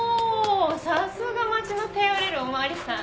さすが町の頼れるお巡りさん！